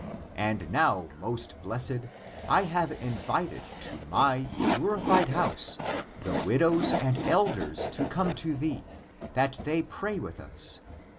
And now, most blessed, I have invited to my purified house the widows and elders to come to thee, that they pray wtih us.